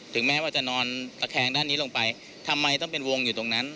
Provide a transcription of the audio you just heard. แม้ว่าจะนอนตะแคงด้านนี้ลงไปทำไมต้องเป็นวงอยู่ตรงนั้น